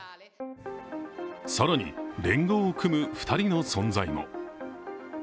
更に連合を組む２人の存在も。